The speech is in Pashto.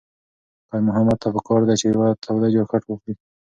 خیر محمد ته پکار ده چې یوه توده جاکټ واخلي.